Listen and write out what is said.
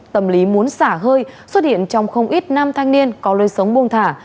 tâm lý muốn xả hơi xuất hiện trong không ít năm thanh niên có lơi sống buông thả